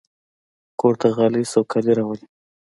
کور ته غالۍ سوکالي راولي.